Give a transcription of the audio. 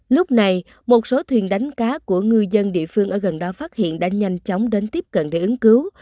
lúc này một số thuyền đánh cá của ngư dân địa phương ở gần đó phát hiện đã nhanh chóng đến tiếp cận để ứng cứu